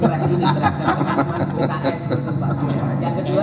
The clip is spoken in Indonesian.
pks ini terhadap teman teman pks seperti pak surya